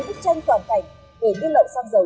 bức tranh toàn cảnh về nước lậu xăng dầu